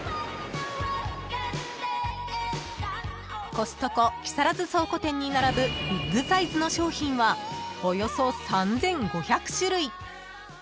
［コストコ木更津倉庫店に並ぶビッグサイズの商品はおよそ３，５００種類］